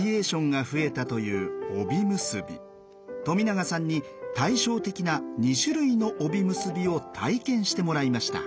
冨永さんに対照的な２種類の帯結びを体験してもらいました。